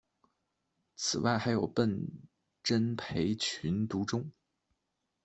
此外还有笨珍培群独中。